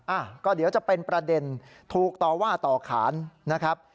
อ่ะก็เดี๋ยวจะเป็นประเด็นถูกต่อว่าต่อขานนะครับ